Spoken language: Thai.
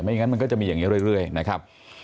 อย่างนั้นมันก็จะมีอย่างนี้เรื่อยนะครับ